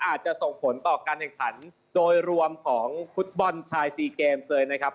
อาจจะส่งผลต่อการแข่งขันโดยรวมของฟุตบอลชายซีเกมเลยนะครับ